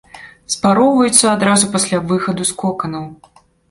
Спароўваюцца адразу пасля выхаду з коканаў.